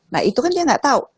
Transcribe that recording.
nah itu kan dia nggak tahu